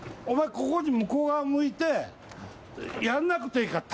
ここに向こう側向いてやらなくていいから。